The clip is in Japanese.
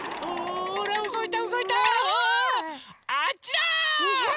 あっちだ！